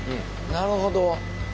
なるほど。